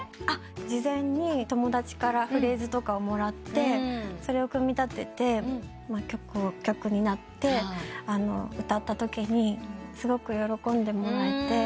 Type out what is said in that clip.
事前に友達からフレーズとかをもらってそれを組み立てて曲になって歌ったときにすごく喜んでもらえて。